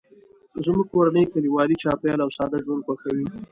زموږ کورنۍ کلیوالي چاپیریال او ساده ژوند خوښوي